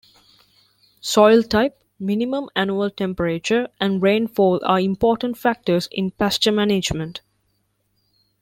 Soil type, minimum annual temperature, and rainfall are important factors in pasture management.